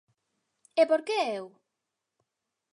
E por que eu?